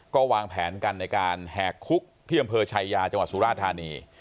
ก็วางแผนกันในการแหกคุกที่อำเภอชายาจังหวัดสุราธานี